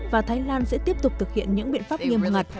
và thái lan sẽ tiếp tục thực hiện những biện pháp nghiêm ngặt